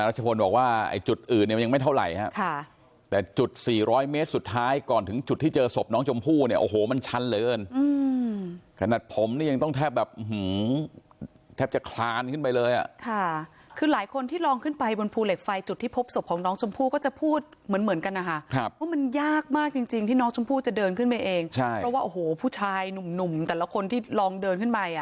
รัชพลบอกว่าจุดอื่นมันยังไม่เท่าไหร่ครับแต่จุด๔๐๐เมตรสุดท้ายก่อนถึงจุดที่เจอศพน้องจมพู่เนี่ยโอ้โหมันชันเลินขนาดผมเนี่ยยังต้องแทบแบบแถบจะคลานขึ้นไปเลยค่ะคือหลายคนที่ลองขึ้นไปบนภูเหล็กไฟจุดที่พบศพของน้องจมพู่ก็จะพูดเหมือนกันนะครับว่ามันยากมากจริงที่น้องจมพู่จะเดิ